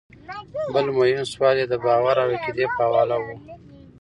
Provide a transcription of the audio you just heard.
بل مهم سوال ئې د باور او عقيدې پۀ حواله وۀ